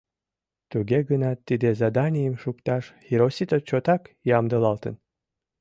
Туге гынат тиде заданийым шукташ Хиросита чотак ямдылалтын.